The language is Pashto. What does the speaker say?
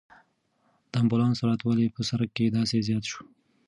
د امبولانس سرعت ولې په سړک کې داسې زیات شو؟